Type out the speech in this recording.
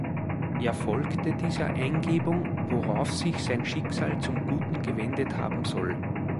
Er folgte dieser Eingebung, worauf sich sein Schicksal zum Guten gewendet haben soll.